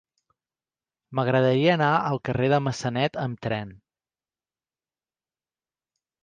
M'agradaria anar al carrer de Massanet amb tren.